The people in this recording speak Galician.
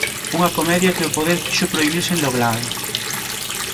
Unha comedia que o poder quixo prohibir sen logralo.